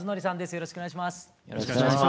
よろしくお願いします。